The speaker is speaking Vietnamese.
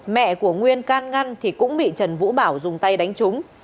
mẹ của nguyên can ngăn thì cũng bị trần vũ bảo dùng tay đánh trúng